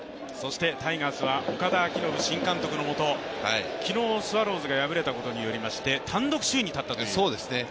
タイガースは今日、岡田新監督のもと、昨日、スワローズが敗れたことによりまして単独首位に立ったということですね。